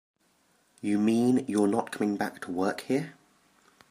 You mean you're not coming back to work here?